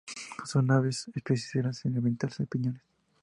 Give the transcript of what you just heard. Son aves especializadas en alimentarse de piñones.